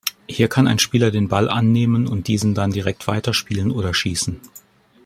Hier kann ein Spieler den Ball annehmen und diesen dann direkt weiterspielen oder schießen.